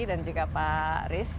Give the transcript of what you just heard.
dan juga pak ries